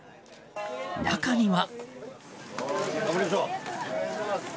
中には。